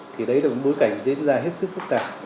thì đấy là một bối cảnh diễn ra hết sức phức tạp